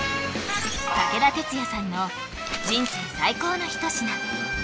武田鉄矢さんの人生最高の一品